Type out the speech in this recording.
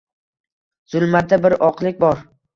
Zulmatda bir oqlik bor.